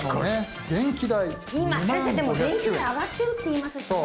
今先生でも電気代上がってるっていいますしね。